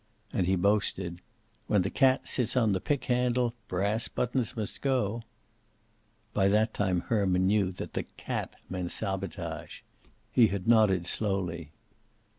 And he boasted, "When the cat sits on the pickhandle, brass buttons must go." By that time Herman knew that the "cat" meant sabotage. He had nodded slowly.